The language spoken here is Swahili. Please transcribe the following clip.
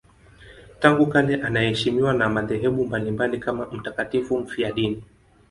Tangu kale anaheshimiwa na madhehebu mbalimbali kama mtakatifu mfiadini.